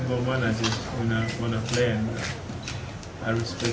saya adalah manajemen bola bola saya ingin bermain